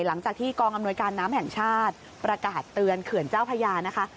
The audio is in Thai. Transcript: หลังจากที่กองอำนวยการน้ำแห่งชาติประกาศเตือนเขื่อนเจ้าพญานะคะ